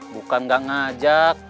bukan gak ngajak